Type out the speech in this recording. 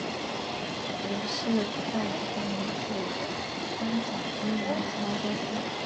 而示范单位设于湾仔英皇集团中心。